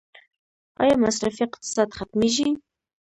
آیا مصرفي اقتصاد ختمیږي؟